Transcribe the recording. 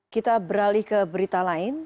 kita beralih ke berita lain